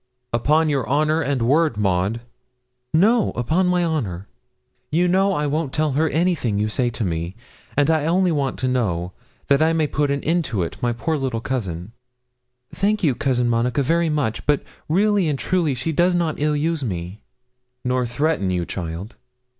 'Upon your honour and word, Maud?' 'No, upon my honour.' 'You know I won't tell her anything you say to me; and I only want to know, that I may put an end to it, my poor little cousin.' 'Thank you, Cousin Monica very much; but really and truly she does not ill use me.' 'Nor threaten you, child?'